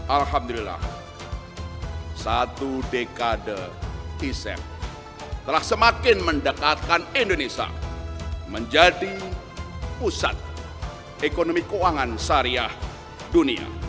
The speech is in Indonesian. alhamdulillah satu dekade tcent telah semakin mendekatkan indonesia menjadi pusat ekonomi keuangan syariah dunia